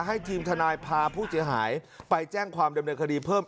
ทีมทนายพาผู้เสียหายไปแจ้งความดำเนินคดีเพิ่ม